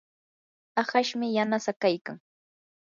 ahashmi yanasaa kaykan.